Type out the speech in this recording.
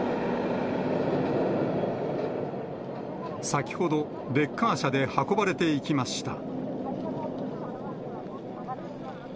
先ほどレッカー車で運ばれていきました。